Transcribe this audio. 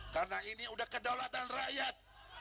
karena ini sudah kedaulatan rakyat